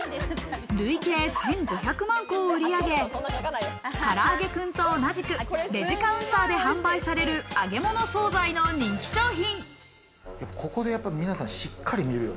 累計１５００万個を売り上げ、「からあげクン」と同じくレジカウンターで販売される揚げ物惣菜の人気商品。